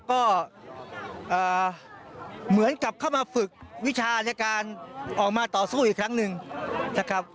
ก็เหมือนกับเข้ามาฝึกวิชาในการออกมาต่อสู้อีกครั้งหนึ่งนะครับ